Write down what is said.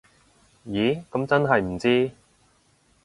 咦噉真係唔知